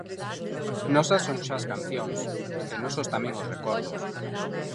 Nosas son xa as cancións, e nosos tamén os recordos.